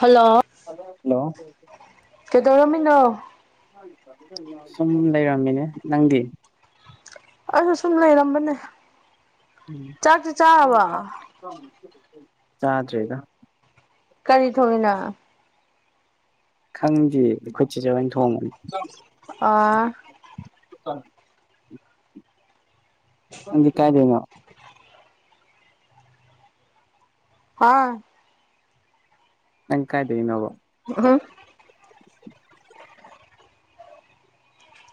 hello hello hello ꯀꯩꯗꯧꯔꯃꯤꯅꯣ ꯁꯨꯝ ꯂꯩꯔꯝꯃꯤꯅꯦ ꯅꯪꯗꯤ ꯑꯁꯨ ꯁꯨꯝ ꯂꯩꯔꯝꯕꯅꯦ ꯆꯥꯛꯁꯤꯦ ꯆꯥꯔꯕ ꯆꯥꯗ꯭ꯔꯦꯗ ꯀꯔꯤ ꯊꯏꯅ ꯈꯪꯗꯦ ꯑꯩꯈꯣꯏ ꯆꯦꯖꯅ ꯊꯣꯡꯕꯅꯤ ꯑ ꯑ ꯅꯪꯗꯤ ꯀꯥꯏꯗꯦꯅ ꯍꯥꯥ ꯅꯪ ꯀꯥꯏꯗꯦ ꯏꯅꯣꯕꯣ ꯍꯥ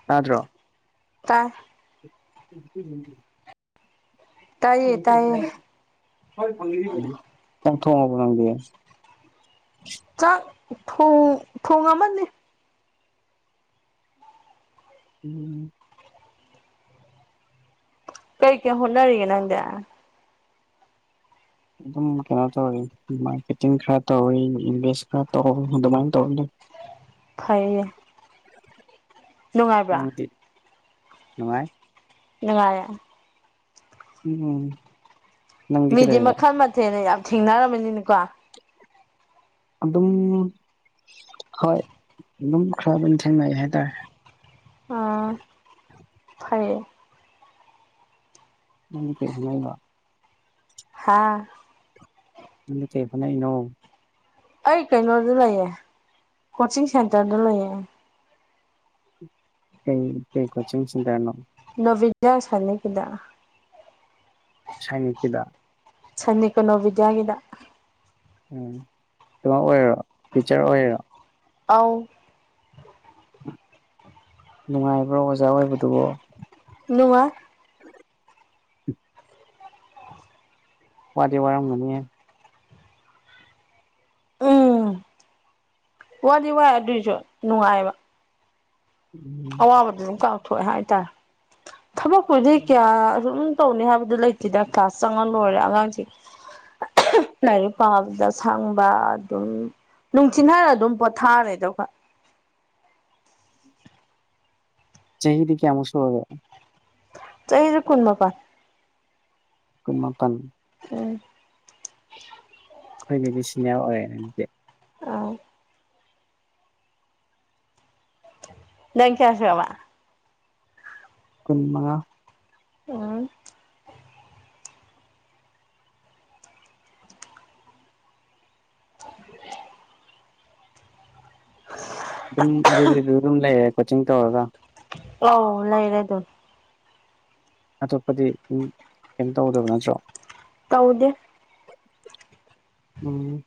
ꯇꯥꯗ꯭ꯔꯣ ꯇ ꯎ ꯇꯥꯏꯌꯦ ꯇꯥꯏꯌꯦ ꯅꯪ ꯊꯉꯕꯨ ꯅꯪꯗꯤꯦ ꯆꯥꯛ ꯊꯣꯡ ꯑꯃꯅꯤ ꯎꯝ ꯀꯩ ꯀꯦ ꯍꯅꯔꯤꯒꯦ ꯅꯪꯒ ꯑꯗꯨꯝ ꯀꯩꯅꯣ ꯇꯧꯔꯤ ꯃꯥꯔꯀꯦꯇꯤꯡ ꯈꯔ ꯇꯧꯔꯤ ꯏꯟꯚꯦꯁ ꯈꯔ ꯇꯧ ꯑꯗꯨꯃꯥꯏꯅ ꯇꯧꯔꯅꯤ ꯐꯩꯌꯦ ꯅꯨꯡꯉꯥꯏꯕ꯭ꯔꯥ ꯅꯪꯗꯤꯤ ꯅꯨꯡꯉꯥꯏ ꯂꯉꯌꯥ ꯎꯝ ꯅꯪꯗꯤ ꯃꯤꯗꯤ ꯀꯩꯗꯧꯔꯤꯕ ꯃꯈꯜ ꯃꯊꯦꯜꯅ ꯌꯥꯝ ꯊꯦꯡꯅꯔꯝꯃꯅꯤꯅꯤꯀꯣ ꯑꯗꯨꯝ ꯍꯣꯏ ꯑꯗꯨꯝ ꯈꯔ ꯑꯗꯨꯝ ꯊꯦꯡꯅꯩ ꯍꯥꯏꯇꯥꯔꯦ ꯑꯥ ꯐ ꯍꯦ ꯐꯉꯥꯏꯕ ꯍꯥꯥ ꯅ ꯆꯦ ꯐꯅꯩꯅꯣ ꯑꯩ ꯀꯩꯅꯣꯗ ꯂꯩꯌꯦ ꯀꯣꯆꯤꯡ ꯁꯦꯟꯇꯔꯗ ꯂꯩꯑ ꯄ ꯀ ꯀꯣꯆꯤꯡ ꯁꯤꯟ ꯇꯔꯅꯣ ꯅꯕꯤꯖ ꯑꯁꯅꯤ ꯀꯗ ꯁꯥꯏꯅꯤ ꯄꯗ ꯆꯅꯤ ꯀꯣꯟꯅꯣꯕꯗꯒꯤꯗ ꯎꯝ ꯑꯗꯨꯃꯣ ꯑꯣꯏꯔꯣ ꯇꯤꯆꯔ ꯑꯣꯏꯔꯣ ꯑ ꯅꯨꯡꯉꯥꯏꯕ꯭ꯔꯥ ꯑꯣꯖꯥ ꯑꯣꯏꯕꯗꯨꯕꯣ ꯅꯨ ꯋꯥꯋꯥꯇꯦ ꯋꯥꯔꯝꯒꯅꯤ ꯎꯝ ꯋꯥꯗꯤ ꯋꯥꯏ ꯑꯗꯨꯏꯁꯨ ꯅꯨꯡꯉꯥꯏꯕ ꯎꯝ ꯑꯕꯗ ꯑꯗꯨꯝ ꯀꯥꯎꯊꯣꯛꯑꯦ ꯍꯥꯏꯇꯥꯔꯦ ꯊꯕꯛꯄꯨꯗꯤ ꯀꯌꯥ ꯑꯗꯨꯝ ꯇꯧꯅꯤ ꯍꯥꯏꯕꯗꯨ ꯂꯩꯇꯦꯗ ꯀ꯭ꯂꯥꯁ ꯆꯪꯉꯟ ꯂꯣꯏꯔꯦ ꯑꯉꯥꯡꯁꯦ ꯂꯥꯏꯔꯤꯛ ꯄꯥꯕꯗ ꯁꯪꯕ ꯑꯗꯨꯝ ꯅꯨꯡꯊꯤꯤꯟꯅꯔ ꯑꯗꯨꯝ ꯄꯣꯊꯥꯔꯦꯗ ꯆꯍꯤꯍꯤꯗꯤ ꯀꯌꯥ ꯑꯃꯁꯨꯛꯁꯨ ꯑꯣꯏꯦ ꯆꯩꯔ ꯀꯨꯟꯃꯄꯥ ꯀꯨꯟꯃꯥꯄꯟ ꯎꯝ ꯑꯩꯈꯣꯏ ꯅꯨ ꯃꯤ ꯁꯤꯅꯦ ꯑꯣꯏꯔꯦꯗꯤ ꯑꯥꯎ ꯅꯪ ꯀꯌꯥꯁꯦꯕ ꯀꯟꯃꯉ ꯎ ꯑꯗꯨꯝ ꯑꯗꯨꯗꯤ ꯑꯗꯨ ꯑꯗꯨꯝ ꯂꯩꯔꯦ ꯀꯣꯆꯤꯡ ꯇꯧꯔꯒ ꯑꯧ ꯂꯩꯔꯦ ꯑꯗꯨ ꯑꯇꯣꯞꯄꯗꯤ ꯀꯩꯝ ꯇꯧꯗꯕ ꯅꯠꯇ꯭ꯔꯣ ꯇꯧꯗꯦ ꯎꯝ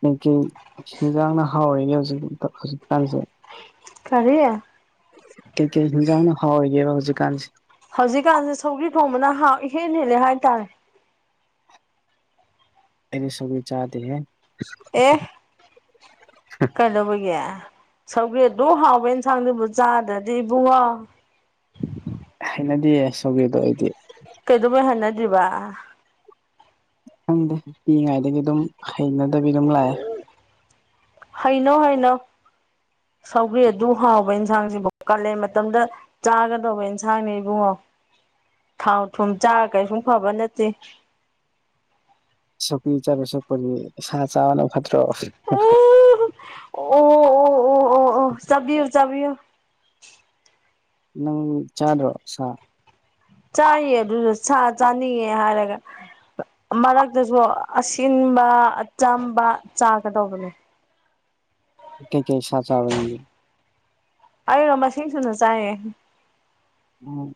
ꯀꯩꯀꯩ ꯍꯤꯟꯖꯥꯡꯅ ꯍꯥꯎꯔꯤꯒꯦ ꯍꯧꯖꯤꯛꯥꯎ ꯍꯧꯖꯤꯛꯀꯥꯟꯁꯦ ꯀꯔꯤꯦ ꯀꯩꯀꯩ ꯍꯤꯟꯖꯥꯡꯅ ꯍꯥꯎꯏꯒꯦꯕ ꯍꯧꯖꯤꯛꯀꯥꯟꯁꯦ ꯍꯧꯖꯤꯛꯀꯥꯟꯁꯦ ꯁꯧ꯭ꯔꯤ ꯊꯣꯡꯕꯅ ꯍꯥꯎ ꯏꯍꯦꯟ ꯍꯦꯜꯂꯦ ꯍꯥꯏꯇꯥꯔꯦ ꯑꯦꯅꯤ ꯁꯕꯤ ꯆꯥꯗ ꯍ ꯑꯦ ꯀꯩꯗꯧꯕꯒꯤ ꯁꯧꯒꯦ ꯑꯗꯨ ꯍꯥꯎꯕ ꯑꯦꯟꯁꯥꯡꯗꯨꯕꯨ ꯆꯥꯗ꯭ꯔꯗꯤ ꯏꯕꯨꯡ ꯍꯥꯎ ꯍꯥꯏꯩꯅꯗꯤ ꯁꯧꯒꯦꯗꯣ ꯑꯩꯗꯤ ꯀꯩꯗꯧꯕꯩ ꯍꯥꯏꯅꯗ꯭ꯔꯤꯕ ꯈꯪꯗꯦ ꯄꯤꯛꯏꯉꯥꯏꯗꯒꯤ ꯑꯗꯨꯝ ꯍꯩꯅꯗꯕꯤ ꯑꯗꯨꯝ ꯂꯥꯛꯑꯦ ꯍꯩꯅꯧ ꯍꯩꯅꯧ ꯁꯧꯒ꯭ꯔꯤ ꯑꯗꯨ ꯍꯥꯎꯕ ꯏꯟꯁꯥꯡꯁꯤꯕꯨ ꯀꯥꯂꯦꯟ ꯃꯇꯝꯗ ꯆꯥꯒꯗꯧꯕ ꯏꯟꯁꯥꯡꯅꯦ ꯏꯕꯨꯡꯉꯣ ꯊꯥꯎ ꯊꯨꯝ ꯆꯥꯔ ꯀꯩꯁꯨꯝ ꯐꯕ ꯅꯠꯇꯦ ꯁꯛꯄꯤ ꯆꯔꯨꯁꯨꯄꯔꯤ ꯁꯥ ꯆꯥꯕꯅ ꯐꯠꯇ꯭ꯔꯣ ꯑꯣ ꯑꯣ ꯑꯣ ꯑꯣ ꯑꯣ ꯆꯕꯤꯌꯣ ꯆꯕꯤꯌꯣ ꯅꯪ ꯆꯥꯗ꯭ꯔꯣ ꯁꯥ ꯆꯥꯏꯌꯦ ꯑꯗꯨꯗ ꯆꯥꯅꯤꯡꯉꯦ ꯍꯥꯏꯔꯒ ꯃꯔꯛꯇꯁꯨ ꯑꯁꯤꯟꯕ ꯑꯆꯝꯕ ꯆꯥꯒꯗꯧꯕꯅꯦ ꯀꯩ ꯀꯩ ꯁꯥ ꯆꯕ ꯑꯩꯅ ꯃꯁꯤꯡꯁꯨꯨꯅ ꯆꯥꯏꯌꯦ ꯎꯝ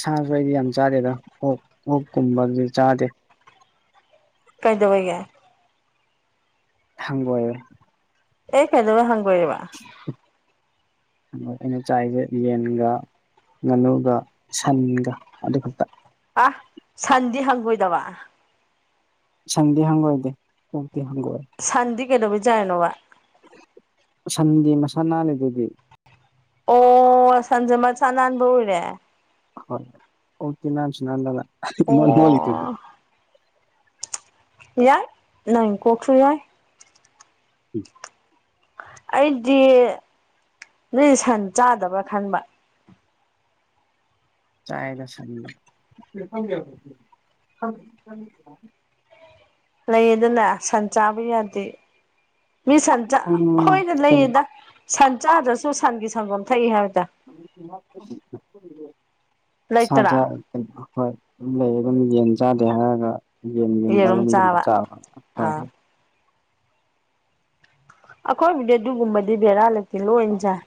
ꯁꯥꯁꯨ ꯑꯩꯗꯤ ꯌꯥꯝ ꯆꯥꯗꯦ ꯑꯗ ꯑꯣꯛ ꯑꯣꯛ ꯀꯨꯝꯕꯁꯨ ꯆꯥꯗꯦ ꯀꯩꯗꯕꯩꯒꯦ ꯊꯪꯕꯣꯏꯦ ꯑꯦ ꯀꯦ ꯑꯗꯨꯕ ꯍꯪꯒ ꯑꯣꯏꯔꯤꯕ ꯑ ꯑꯩꯅ ꯆꯥꯏꯁꯦ ꯌꯦꯟꯒ ꯉꯥꯅꯨꯒ ꯁꯟꯒ ꯑꯗꯨ ꯈꯛꯇ ꯑ ꯁꯟꯗꯤ ꯍꯪꯒꯣꯏꯗꯕ ꯁꯟꯗꯤ ꯍꯪꯒꯣꯏꯗꯦ ꯑꯣꯛꯇꯤ ꯍꯪꯒꯣꯏꯌꯦ ꯁꯥꯟꯗꯤ ꯀꯩꯅꯣꯕꯩ ꯆꯥ ꯅꯣꯕ ꯁꯟꯗꯤ ꯃꯁꯥꯟ ꯅꯥꯅꯤ ꯑꯗꯨꯗꯤ ꯑꯣ ꯁꯟꯖꯦ ꯃꯁꯥ ꯅꯥꯟꯕ ꯑꯣꯏꯔꯦ ꯍꯣꯏ ꯑꯣꯛ ꯅꯥꯥꯟꯁꯨ ꯅꯥꯟꯗꯅ ꯃꯣꯠꯂꯤꯗꯨꯗꯤ ꯑꯣ ꯌꯥꯏ ꯅꯥꯏ ꯀꯧꯁꯣꯟ ꯌꯥꯏ ꯎꯝ ꯑꯩꯗꯤ ꯅꯣꯏ ꯁꯟ ꯆꯥꯗꯕ꯭ꯔꯥ ꯈꯟꯕ ꯆꯥꯏꯗ ꯁꯟ ꯂꯩꯗꯅ ꯁꯟ ꯆꯥꯕ ꯌꯥꯗꯦ ꯃꯤ ꯁꯟ ꯎꯝ ꯍꯣꯏꯅ ꯀꯩꯅꯣ ꯂꯩꯌꯦꯗ ꯁꯟ ꯆꯥꯗ꯭ꯔꯁꯨ ꯁꯟꯒꯤ ꯁꯪꯒꯣꯝ ꯊꯛꯏ ꯍꯥꯏꯕꯗ ꯁꯥꯖꯥ ꯂꯩꯇ꯭ꯔꯥ ꯍꯣꯏ ꯑꯗꯨ ꯂꯩ ꯑꯗꯨꯝ ꯌꯦꯟ ꯆꯥꯗꯦ ꯍꯥꯏꯔꯒ ꯌꯦꯟꯒꯤ ꯃꯔꯨꯝꯒꯨꯝꯕ ꯆꯥꯕ ꯑꯥ ꯍꯣꯏ ꯑꯩꯈꯣꯏꯕꯨꯗꯤ ꯑꯗꯨꯒꯨꯝꯕꯗꯤ ꯕꯦꯔꯥꯜꯂꯛꯇꯦ ꯂꯣꯏꯅꯁꯥꯏ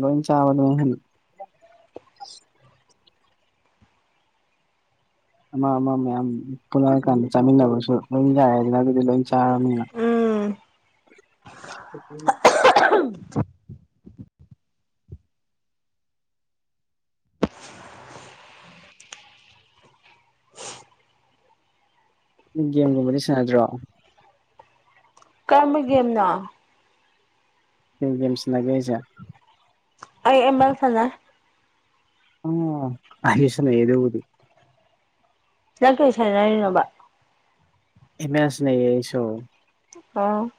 ꯂꯣꯏꯍꯤ ꯆꯕ ꯍꯥꯏ ꯑꯃ ꯑꯃ ꯃꯌꯥꯝ ꯄꯨꯜꯂꯑꯀꯥꯟꯗ ꯆꯥꯃꯤꯟꯅꯕꯁꯨ ꯂꯣꯏ ꯌꯥꯏꯦ ꯍꯥꯏꯗꯅ ꯑꯗꯨꯗꯤ ꯂꯣꯏ ꯆꯥꯔꯕꯅꯤꯅ ꯎꯝ ꯑ ꯒꯦꯝꯒꯨꯝꯕꯗꯤ ꯁꯥꯟꯅꯗ꯭ꯔꯣ ꯀꯔꯝꯕꯒꯦꯝꯅ ꯀꯩ ꯒꯦꯝ ꯁꯅꯥꯒꯦ ꯍꯥꯏꯖꯦ ꯑꯩ ꯏꯃꯜ ꯐꯅ ꯑꯣ ꯑꯁꯅ ꯌꯦꯗꯦꯕꯨꯗꯤ ꯅ ꯀꯁꯥꯏ ꯍꯥꯏꯅꯣꯕ ꯑꯦꯃꯦꯜ ꯁꯥꯅꯩꯌꯦ ꯑꯩꯁꯨ [unintelligible]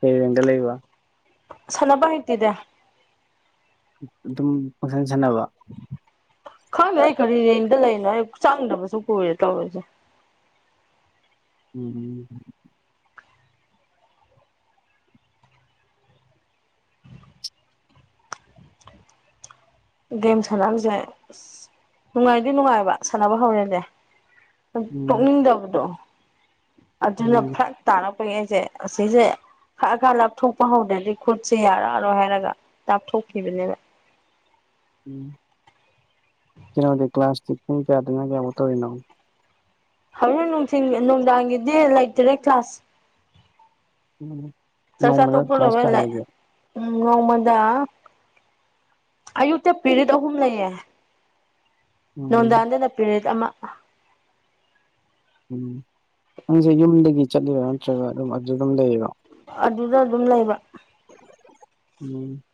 ꯍ ꯌꯦꯒ ꯂꯩ ꯋꯥ ꯁꯅꯅꯕ ꯍꯩꯇꯦꯗ ꯑꯗꯨꯝ ꯄꯪꯁꯟ ꯁꯥꯟꯅꯕ ꯈꯪꯗꯦ ꯑꯩ ꯈꯔꯤ ꯔꯡꯗ ꯂꯩꯔꯤꯅꯣ ꯑꯩ ꯆꯪꯗꯕꯁꯨ ꯀꯨꯏꯔꯦ ꯇꯧꯔꯤꯁꯦ ꯎꯝ ꯒꯦꯝ ꯁꯥꯟꯅꯕꯅꯕꯁꯦ ꯑ ꯅꯨꯡꯉꯥꯏꯔꯗꯤ ꯅꯨꯡꯉꯥꯏꯕ ꯁꯥꯟꯅꯕ ꯍꯧꯔꯦꯅꯦ ꯎꯝ ꯇꯣꯛꯅꯤꯡꯗꯕꯗꯣ ꯑꯗꯨꯅ ꯎꯝ ꯐꯔꯛ ꯇꯥꯔꯛꯄꯒꯤ ꯑꯩꯁꯦ ꯑꯁꯤꯁꯦ ꯈꯛ ꯈꯥ ꯂꯥꯞꯊꯣꯛꯄ ꯍꯧꯗ꯭ꯔꯗꯤ ꯈꯨꯠꯁꯤꯦ ꯌꯥꯔꯛꯔꯣꯏ ꯍꯥꯏꯔꯒ ꯂꯥꯞꯊꯣꯛꯈꯤꯕꯅꯦꯕ ꯎꯝ ꯀꯩꯅꯣꯗꯤ ꯀ꯭ꯂꯥꯁꯇꯤ ꯄꯨꯡ ꯀꯌꯥꯗꯅ ꯀꯌꯥꯃꯨꯛ ꯇꯧꯔꯤꯅꯣ ꯍꯧ ꯅꯨꯡꯊꯤꯟ ꯅꯨꯡꯗꯥꯡꯒꯤꯗꯤ ꯂꯩꯇ꯭ꯔꯦ ꯀ꯭ꯂꯥꯁ ꯎꯝ ꯆꯥꯛ ꯆꯥ ꯅꯣꯡꯃꯗ ꯇꯣꯛꯄ ꯀ꯭ꯂꯥꯁ ꯂꯣꯏꯕ ꯀꯌꯥ ꯂꯩ ꯂꯩꯒꯦ ꯎꯝ ꯅꯣꯡꯃꯗ ꯑꯌꯨꯛꯇ ꯄꯦꯔꯤꯠ ꯑꯍꯨꯝ ꯂꯩꯌꯦ ꯎꯝ ꯅꯨꯡꯗꯥꯡꯗꯅ ꯄꯤꯔꯤꯠ ꯑꯃ ꯎꯝ ꯅꯪꯁꯦ ꯌꯨꯝꯗꯒꯤ ꯆꯠꯂꯤꯔꯥ ꯅꯠꯇ꯭ꯔꯒ ꯑꯗꯨꯝ ꯑꯗꯨ ꯑꯗꯨꯝ ꯂꯩꯔꯤꯔꯣ ꯑꯗꯨꯗ ꯑꯗꯨꯝ ꯂꯩꯕ [unintelligible]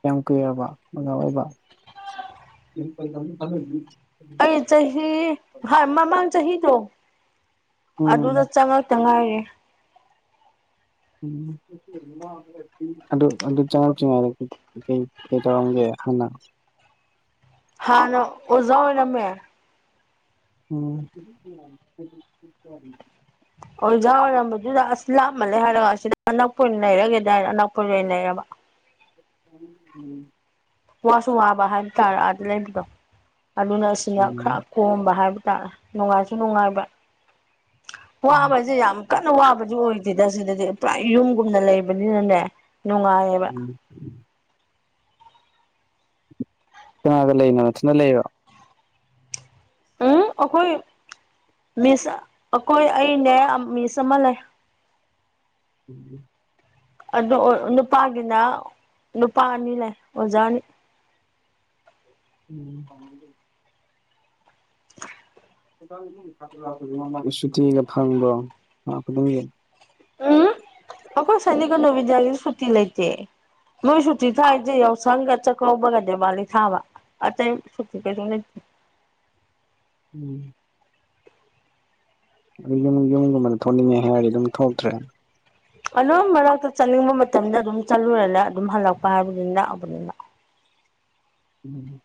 ꯀꯌꯥꯝ ꯀꯨꯏꯔꯕ ꯑꯣꯖꯥ ꯑꯣꯏꯕ ꯑꯩ ꯆꯍꯤ ꯃꯃꯥꯡ ꯆꯍꯤꯗꯣ ꯎꯝ ꯑꯗꯨꯗ ꯆꯪꯉꯛꯇ ꯉꯥꯏꯔꯦ ꯎꯝ ꯑꯗꯨ ꯑꯗꯨ ꯆꯪꯉꯛꯇ꯭ꯔꯤꯉꯩꯗꯗꯤ ꯀꯩ ꯀꯩ ꯇꯧꯔꯝꯒꯦ ꯍꯥꯟꯅ ꯍꯥꯟꯅ ꯑꯣꯖꯥ ꯑꯣꯏꯔꯝꯃꯦ ꯎꯝ [inaudible] ꯑꯣꯖꯥ ꯑꯣꯏꯔꯝꯕꯗꯨꯗ ꯑꯁ ꯂꯥꯞꯃꯜꯂꯦ ꯍꯥꯏꯔꯒ ꯑꯁꯤꯗ ꯑꯅꯛꯄ ꯑꯣꯏꯅ ꯂꯩꯔꯒꯦꯗꯥꯅ ꯑꯅꯛꯄꯗ ꯑꯣꯏꯅ ꯂꯩꯔꯕ [inaudible] ꯋꯥꯁꯨ ꯋꯥꯕ ꯍꯥꯏꯕ ꯇꯥꯔꯦ ꯑꯥꯗ ꯂꯩꯕꯗꯣ ꯑꯗꯨꯅ ꯑꯁꯤꯅ ꯎꯝ ꯈꯔ ꯀꯣꯝꯕ ꯍꯥꯏꯕ ꯇꯥꯔꯦ ꯅꯨꯡꯉꯥꯏꯁꯨ ꯅꯨꯡꯉꯥꯏꯕ ꯋꯥꯕꯖꯦ ꯌꯥꯝ ꯀꯟꯅ ꯋꯥꯕꯗꯨ ꯑꯣꯏꯗꯦꯗ ꯁꯤꯗꯗꯤ ꯄꯨꯔꯥ ꯌꯨꯝꯒꯨꯝꯅ ꯂꯩꯕꯅꯤꯅꯅꯦ ꯅꯨꯡꯉꯥꯏ [unintelligible] ꯀꯅꯥꯒ ꯂꯩꯅꯣ ꯅꯊꯟꯇ ꯂꯩꯔꯣ ꯎꯝ ꯑꯩꯈꯣꯏ ꯃꯤꯁ ꯑꯩꯈꯣꯏ ꯑꯩꯅꯦ ꯃꯤꯁ ꯑꯃ ꯂꯩ [inaudible] ꯑꯗꯣ ꯅꯨꯄꯥꯒꯤꯅ ꯅꯨꯄꯥ ꯑꯅꯤ ꯂꯩ ꯑꯣꯖꯥ ꯑꯅꯤ ꯎꯝ [unintelligible] [unintelligible] ꯁꯨꯇꯤꯒ ꯐꯪꯕ꯭ꯔꯣ ꯊꯥ ꯈꯨꯗꯤꯡꯒꯤ ꯎꯝ ꯑꯩꯈꯣꯏ ꯁꯥꯏꯅꯤꯛꯒ ꯅꯚꯣꯗꯌꯥꯒꯤꯗꯤ ꯁꯨꯇꯤ ꯂꯩꯇꯦ ꯃꯣꯏ ꯁꯨꯇꯤ ꯊꯥꯏꯖꯦ ꯌꯥꯎꯁꯪꯒ ꯆꯥꯛꯀꯧꯕꯒ ꯗꯤꯋꯥꯂꯤ ꯊꯥꯕ ꯑꯇꯩ ꯁꯨꯇꯤ ꯀꯩꯅꯣ ꯂꯩꯇꯦ ꯎꯝ ꯑꯗꯨ ꯌꯨꯝ ꯌꯨꯝꯒꯨꯝꯕꯗ ꯊꯣꯛꯅꯤꯡꯉꯦ ꯍꯥꯏꯔꯗꯤ ꯑꯗꯨꯝ ꯊꯣꯛꯇ꯭ꯔꯦ ꯑꯗꯨꯝ ꯃꯔꯛꯇ ꯆꯠꯅꯤꯡꯕ ꯃꯇꯝꯗ ꯑꯗꯨꯝ ꯆꯠꯂꯨꯔꯦꯅ ꯑꯗꯨꯝ ꯍꯜꯂꯛꯄ ꯍꯥꯏꯕꯗꯨꯅꯤ ꯅꯛꯑꯕꯅꯤꯅ ꯎꯝ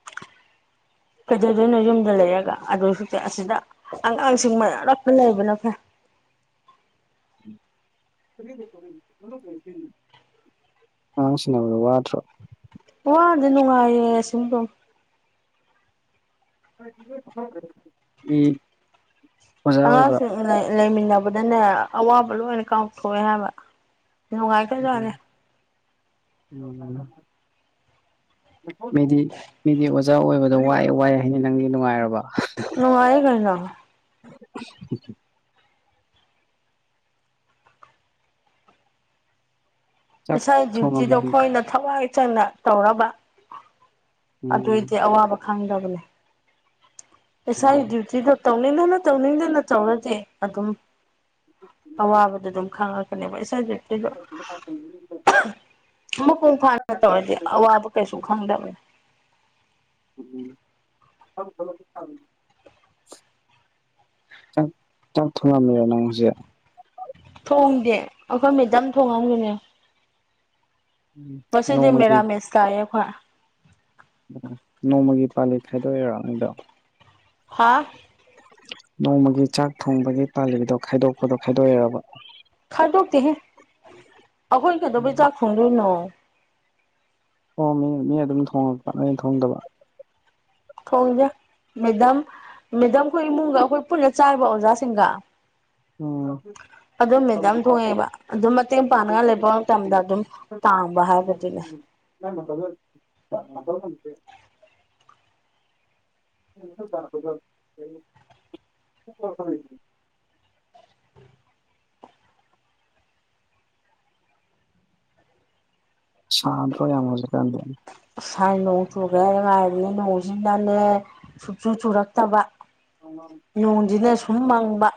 ꯀꯩꯗꯧꯗꯣꯏꯅꯣ ꯌꯨꯝꯗ ꯂꯩꯔꯒ ꯑꯗꯨꯁꯨꯛꯇꯤ ꯑꯁꯤꯗ ꯑꯉꯥꯡꯁꯤꯡ ꯃꯅꯥꯛꯇ ꯂꯩꯕꯅ ꯐꯩ ꯑꯉꯥꯡ ꯁꯤꯟꯅꯕꯗꯣ ꯋꯥꯗ꯭ꯔꯣ ꯋꯥꯗꯦ ꯅꯨꯡꯉꯥꯏꯌꯦ ꯑꯁꯨꯝ [unintelligible] ꯑꯣꯏꯕ ꯑꯉꯥꯡꯁꯤꯡ ꯂꯩ ꯂꯩꯃꯤꯟꯅꯕꯗꯅꯦ ꯑꯋꯥꯕ ꯂꯣꯏꯅ ꯀꯥꯎꯊꯣꯛꯑꯦ ꯍꯥꯏꯕ ꯅꯨꯡꯉꯥꯏꯈ꯭ꯔꯖꯥꯠꯅꯦ ꯎꯝ [unintelligible] ꯃꯤꯗꯤ ꯃꯤꯗꯤ ꯑꯣꯖꯥ ꯑꯣꯏꯕꯗ ꯋꯥꯏꯑꯦ ꯋꯥꯏꯑꯦ ꯍꯥꯏꯅꯩ ꯅꯪꯗꯤ ꯅꯨꯡꯉꯥꯏꯔꯕ ꯅꯨꯡꯉꯥꯏ ꯀꯩꯅꯣ [inaudible] ꯆꯥꯛ ꯏꯁꯥꯏ ꯊꯣꯡꯉꯝ ꯗ꯭ꯌꯨꯇꯤꯗꯣ ꯑꯩꯈꯣꯏꯅ ꯊꯋꯥꯏ ꯆꯪꯅ ꯇꯧꯔꯕ ꯎꯝ ꯑꯗꯨꯏꯗꯤ ꯑꯋꯥꯕ ꯈꯪꯗꯕꯅꯦ ꯏꯁꯥꯒꯤ ꯗ꯭ꯌꯨꯇꯤꯗꯣ ꯇꯧꯅꯤꯡꯗꯅ ꯇꯧꯅꯤꯡꯗꯅ ꯇꯧꯔꯗꯤ ꯑꯗꯨꯝ ꯑꯋꯥꯕꯗꯨ ꯑꯗꯨꯝ ꯈꯡꯉꯛꯀꯅꯦꯕ ꯏꯁꯥꯒꯤ ꯅꯤꯕ ꯃꯄꯨꯡ ꯐꯥꯅ ꯇꯧꯔꯗꯤ ꯑꯋꯥꯕ ꯀꯩꯁꯨ ꯈꯪꯗꯕꯅꯤ [unintelligible] ꯆꯥꯛ ꯆꯥꯛ ꯊꯣꯡꯉꯥꯝꯃꯤꯔ ꯅꯪ ꯍꯧꯖꯤꯛ ꯊꯣꯡꯗꯦ ꯑꯩꯈꯣꯏ ꯃꯦꯗꯝ ꯊꯣꯡꯉꯝꯒꯅꯦ ꯎꯝ ꯉꯁꯤꯗꯤ ꯅꯣꯡꯃꯒꯤ ꯃꯦꯔꯥꯃꯦꯁ ꯇꯥꯏꯌꯦ ꯑꯩꯈꯣꯏ ꯑꯣ ꯅꯣꯡꯃꯒꯤ ꯄꯥꯂꯤꯠ ꯈꯥꯏꯗꯣꯛꯏꯔꯣ ꯅꯣꯏꯗꯣ ꯍꯥꯥ ꯅꯣꯡꯃꯒꯤ ꯆꯥꯛ ꯊꯣꯡꯕꯒꯤ ꯇꯥꯂꯤꯗꯣ ꯈꯥꯏꯗꯣꯛꯄꯗꯣ ꯈꯥꯏꯗꯣꯛꯏꯔꯕ ꯈꯥꯏꯗꯣꯛꯇꯦꯍꯦ ꯑꯩꯈꯣꯏ ꯀꯩꯗꯧꯕꯩ ꯎꯝ ꯆꯥꯛ ꯊꯣꯡꯗꯣꯏꯅꯣ ꯑꯣ ꯃꯤꯅ ꯃꯤꯅ ꯑꯗꯨꯝ ꯊꯣꯡꯉꯛꯄ ꯅꯣꯏ ꯊꯣꯡꯗꯕ ꯊꯣꯡꯗꯦ ꯃꯦꯗꯝ ꯃꯦꯗꯝꯈꯣꯏ ꯏꯃꯨꯡꯒ ꯑꯩꯈꯣꯏ ꯄꯨꯟꯅ ꯆꯥꯌꯦꯕ ꯑꯣꯖꯥꯁꯤꯡꯒ ꯎꯝ ꯑꯗꯨꯝ ꯃꯦꯗꯥꯝ ꯊꯣꯡꯉꯛꯑꯦꯕ ꯑꯗꯨꯝ ꯃꯇꯦꯡ ꯄꯥꯡꯅꯤꯡꯉꯥꯂꯩꯕ ꯃꯇꯝꯗ ꯑꯗꯨꯝ ꯄꯥꯡꯕ ꯍꯥꯏꯕꯗꯨꯅꯦ ꯅꯪ ꯃꯇꯧꯗꯨꯗ ꯃꯇꫭꯝ ꯊꯥꯝꯕꯁꯦ [unintelligible] [unintelligible] ꯁꯥꯗ꯭ꯔꫭ ꯌꯥꯝ ꯍꯧꯖꯤꯛ ꯀꯥꯟꯁꯦ ꯁꯥꯏ ꯅꯣꯡ ꯆꯨꯒ꯭ꯔꯦ ꯉꯥꯏꯔꯤꯅꯦ ꯅꯣꯡꯁꯤꯅꯅꯦ ꯁꯨꯨꯡ ꯆꯨ ꯆꯨꯔꯛꯇꯕ [unintelligible] ꯅꯣꯡꯁꯤꯅ ꯁꯨꯝ ꯃꯪꯕ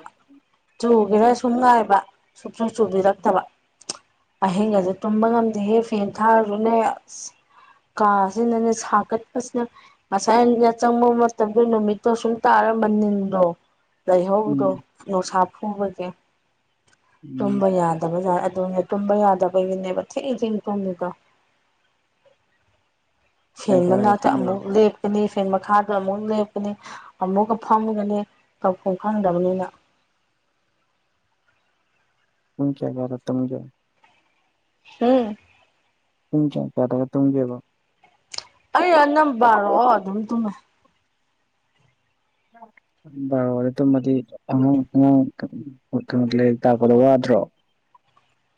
ꯆꯨꯒꯔ ꯁꯨꯝ ꯉꯥꯏꯕ ꯁꯨꯡꯆꯨ ꯆꯨꯕꯤꯔꯛꯇꯕ ꯑꯍꯤꯡꯒꯁꯦ ꯇꯨꯝꯕ ꯉꯝꯗꯦꯍꯦ ꯐꯦꯟ ꯊꯥꯔꯗꯨꯅꯦ ꯑꯁ ꯀꯥꯁꯤꯅꯅꯦ ꯁꯥꯒꯠꯄꯁꯤꯅ ꯉꯁꯥꯏ ꯑꯩꯅ ꯆꯪꯕ ꯃꯇꯝꯗ ꯅꯨꯃꯤꯠꯇꯣ ꯁꯨꯝ ꯇꯥꯔ ꯃꯅꯤꯜ ꯗꫭ ꯂꯥꯏꯍꯧꯗꯣ ꯎꯝ ꯅꯨꯡꯁꯥ ꯐꯨꯕꯁꯦ ꯎꯝ ꯇꯨꯝꯕ ꯌꯥꯗꯕ ꯖꯥꯠ ꯑꯗꯨꯅꯦ ꯇꯨꯝꯕ ꯌꯥꯗꯕꯒꯤꯅꯦꯕ ꯊꯦꯡ ꯊꯦꯡꯅ ꯇꯨꯝꯃꯤꯗꯣ ꯀꯌꯥ ꯐꯦꯟ ꯀꯌꯥꯗꯒ ꯃꯅꯥꯛꯇ ꯇꯨꯝꯃꯤꯅꯣ ꯑꯃꯨꯛ ꯂꯦꯞ ꯀ ꯐꯦꯟ ꯃꯈꯥꯗ ꯑꯃꯨꯛ ꯂꯦꯞꯀꯅꯤ ꯑꯃꯨꯛꯀ ꯐꯝꯒꯅꯤ ꯇꯧꯐꯝ ꯈꯪꯗꯕꯅꯤꯅ ꯄꯨꯡ ꯀꯌꯥ ꯀꯌꯥꯗ ꯇꯨꯝꯒꯦ ꯍꯝ ꯄꯨꯡ ꯀꯌꯥ ꯀꯌꯥꯗꯒꯥ ꯇꯨꯝꯒꯦꯕ ꯑꯩ ꯑꯅꯝꯕ ꯕꯔꯣ ꯑꯗꯨꯝ ꯇꯨꯝꯃꯦ ꯕꯔꫭꯗ ꯇꯨꯝꯃꯗꯤ [unintelligible] [unintelligible] ꯂꯥꯏꯔꯤꯛ ꯇꯥꯛꯄꯗ ꯋꯥꯗ꯭ꯔꫭ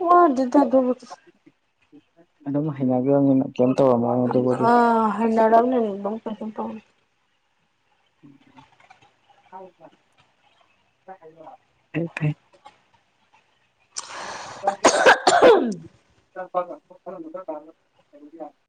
ꯋꯥꯗꯦꯗꯥ ꯑꯗꯨꯕꯨꯗꯤ [unintelligible] ꯑꯗꯨꯝ ꯍꯩꯅꯈ꯭ꯔꯕꯅꯤꯅ ꯀꯩꯝ ꯇꯧꯔꯝꯃꯔꫭꯏ ꯑꯗꯨꯕꯨꯗꯤ ꯍꯩꯅꯔ [unintelligible] ꯀꯩꯁꯨꯝ ꯇꯥꯎꯗꯦ [unintelligible] ꯐꯩ ꯐꯩ [unintelligible]